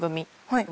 はい。